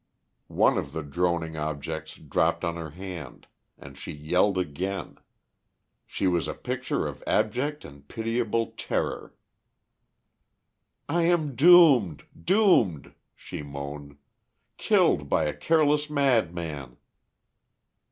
One of the droning objects dropped on her hand, and she yelled again. She was a picture of abject and pitiable terror. "I am doomed, doomed," she moaned. "Killed by a careless madman."